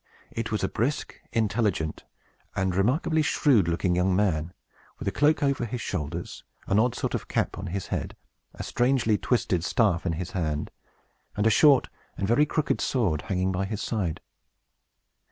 It was a brisk, intelligent, and remarkably shrewd looking young man, with a cloak over his shoulders, an odd sort of cap on his head, a strangely twisted staff in his hand, and a short and very crooked sword hanging by his side.